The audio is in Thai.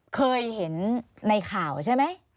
เคยเห็นในข่าวใช่ไหม